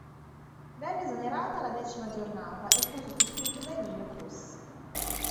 Venne esonerato alla decima giornata e fu sostituito da Emilio Cruz.